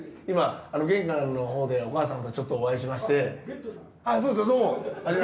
今玄関のほうでお母さんとちょっとお会いしまして。